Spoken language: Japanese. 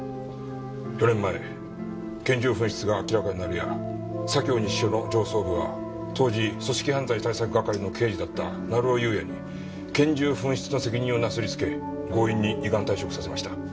４年前拳銃紛失が明らかになるや左京西署の上層部は当時組織犯罪対策係の刑事だった成尾優也に拳銃紛失の責任をなすりつけ強引に依願退職させました。